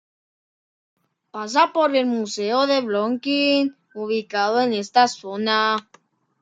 Pasa por el Museo de Brooklyn ubicado en esta zona.